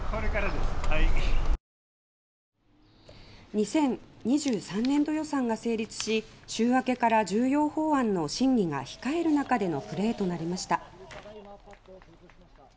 ２０２３年度予算が成立し週明けから重要法案の審議が控える中でのプレーとなりました。